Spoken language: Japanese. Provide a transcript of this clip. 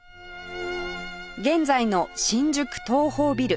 現在の新宿東宝ビル